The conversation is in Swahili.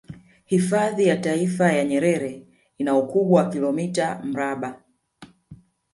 Hifadhi ya taifa ya Nyerere ina ukubwa wa kilomita mraba